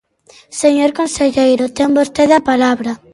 Señor conselleiro, ten vostede a palabra.